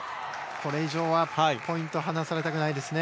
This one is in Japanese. これ以上はもう離されたくないですね。